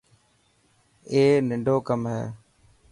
اي ننڊو ڪم هي.